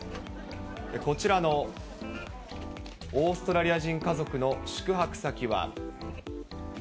こちらのオーストラリア人家族の宿泊先は。